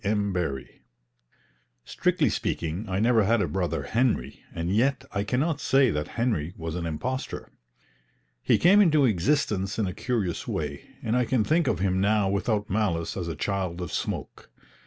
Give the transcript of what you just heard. M. BARRIE Strictly speaking I never had a brother Henry, and yet I can not say that Henry was an impostor. He came into existence in a curious way, and I can think of him now without malice as a child of smoke.